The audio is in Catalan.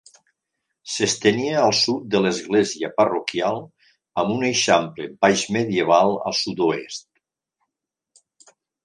S'estenia al sud de l'església parroquial, amb un eixample baixmedieval al sud-oest.